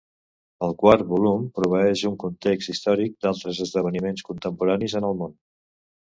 El quart volum proveeix un context històric d'altres esdeveniments contemporanis en el món.